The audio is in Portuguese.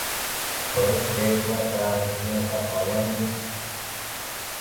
Escritório três, boa tarde. Quem está falando?